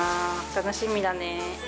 楽しみだね。